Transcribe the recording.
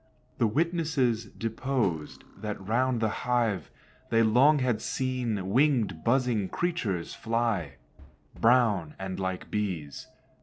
The witnesses deposed that round the hive They long had seen wing'd, buzzing creatures fly, Brown, and like bees.